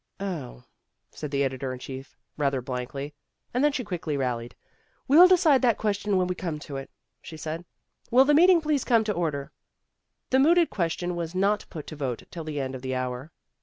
"Oh," said the editor in chief rather blankly, and then she quickly rallied. "We'll decide that question when we come to it," she said. "Will the meeting please come to order." The mooted question was not put to vote till the end of the hour.